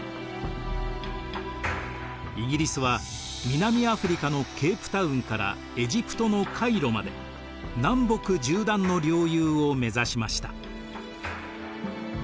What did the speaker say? イギリスは南アフリカのケープタウンからエジプトのカイロまで南北縦断の領有を目指しました。